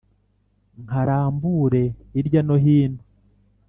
Nkarambure hirya no hino